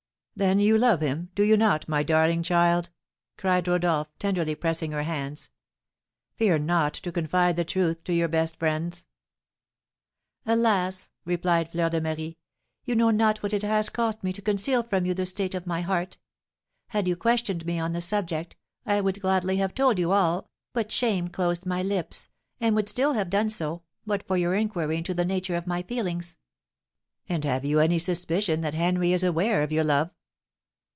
"Then you love him, do you not, my darling child?" cried Rodolph, tenderly pressing her hands. "Fear not to confide the truth to your best friends." "Alas!" replied Fleur de Marie, "you know not what it has cost me to conceal from you the state of my heart! Had you questioned me on the subject, I would gladly have told you all, but shame closed my lips, and would still have done so, but for your inquiry into the nature of my feelings." "And have you any suspicion that Henry is aware of your love?"